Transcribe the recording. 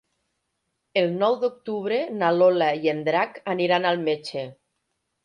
El nou d'octubre na Lola i en Drac aniran al metge.